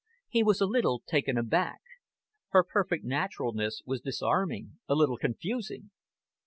He was a little taken aback. Her perfect naturalness was disarming, a little confusing.